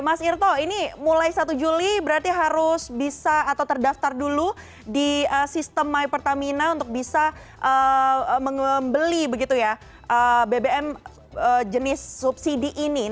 mas irto ini mulai satu juli berarti harus bisa atau terdaftar dulu di sistem my pertamina untuk bisa membeli bbm jenis subsidi ini